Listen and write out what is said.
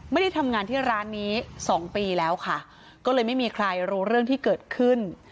ไม่ได้ทำงานที่ร้านนี้สองปีแล้วค่ะก็เลยไม่มีใครรู้เรื่องที่เกิดขึ้น